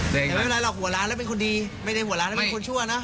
แต่ไม่เป็นไรหรอกหัวล้านแล้วเป็นคนดีไม่ได้หัวล้านแล้วเป็นคนชั่วนะ